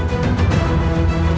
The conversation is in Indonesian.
hidup raden walang susah